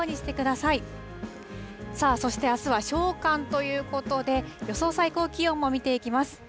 さあ、そしてあすは小寒ということで、予想最高気温も見ていきます。